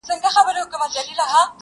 که طوطي چېري ګنجی لیدلی نه وای!.